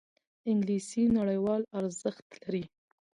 انګلیسي نړیوال ارزښت لري